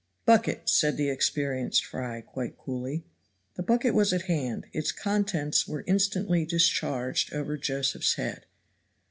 "Bucket," said the experienced Fry quite coolly. The bucket was at hand its contents were instantly discharged over Josephs' head.